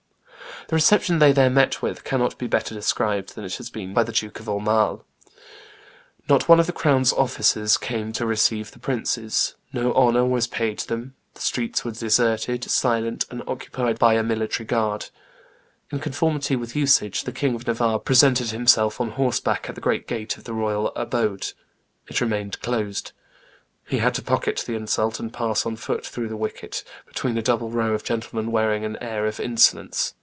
The reception they there met with cannot be better described than it has been by the Duke of Aumale: "Not one of the crown's officers came to receive the princes; no honor was paid them; the streets were deserted, silent, and occupied by a military guard. In conformity with usage, the King of Navarre presented himself on horseback at the great gate of the royal abode; it remained closed. He had to pocket the insult, and pass on foot through the wicket, between a double row of gentlemen wearing an air of insolence.